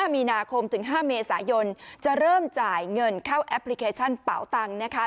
มีนาคมถึง๕เมษายนจะเริ่มจ่ายเงินเข้าแอปพลิเคชันเป่าตังนะคะ